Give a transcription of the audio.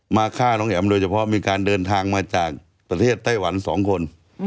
ฆ่าน้องแอ๋มโดยเฉพาะมีการเดินทางมาจากประเทศไต้หวัน๒คน